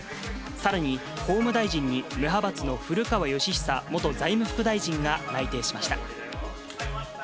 さらに、法務大臣に無派閥の古川禎久元財務副大臣が内定しました。